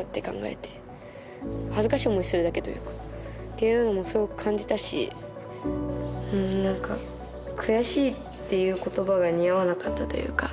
っていうのもすごく感じたしうん何か悔しいっていう言葉が似合わなかったというか。